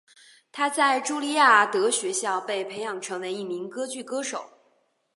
她在朱利亚德学校被培养成为一名歌剧歌手。